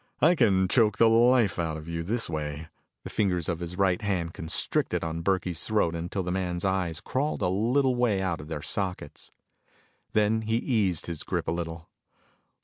I can choke the life out of you this way." The fingers of his right hand constricted on Burkey's throat until the man's eyes crawled a little way out of their sockets. Then he eased his grip a little.